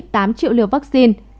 một tám triệu liều vaccine